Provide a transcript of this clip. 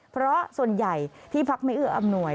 เพราะส่วนใหญ่ที่พักไม่เอื้ออำนวย